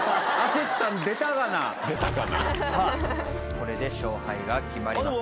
これで勝敗が決まります